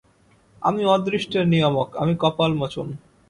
আমি অদৃষ্টের নিয়ামক, আমি কপালমোচন।